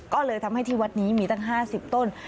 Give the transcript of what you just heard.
ก็เลยทำให้ที่วัดนี้มีตั้ง๕๐ต้น